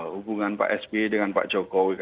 hubungan pak sby dengan pak jokowi